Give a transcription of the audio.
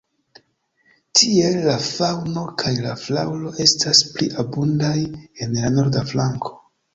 Tiel la faŭno kaj la flaŭro estas pli abundaj en la norda flanko.